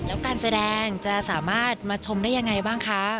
แล้วการแสดงจะสามารถมาชมได้ยังไงบ้างคะ